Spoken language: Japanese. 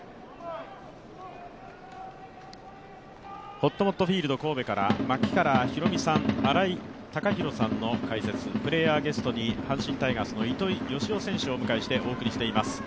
ほっともっとフィールド神戸から槙原寛己さん、新井貴浩さんの解説、プレーヤーゲストに阪神タイガースの糸井嘉男選手をお迎えしてお送りしています。